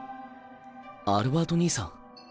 アルバート兄さん。